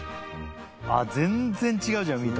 あっ全然違うじゃん見た目。